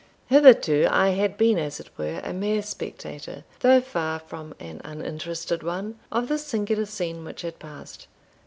Hitherto I had been as it were a mere spectator, though far from an uninterested one, of the singular scene which had passed.